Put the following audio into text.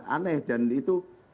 aneh dan itu